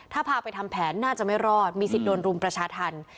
ถ้าพาไปทำแผนน่าจะไม่รอดมีสิทธิ์โดนรุมประชาธรรม